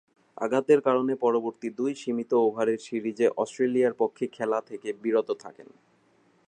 আঘাতের কারণে পরবর্তী দুইটি সীমিত ওভারের সিরিজে অস্ট্রেলিয়ার পক্ষে খেলা থেকে বিরত থাকেন।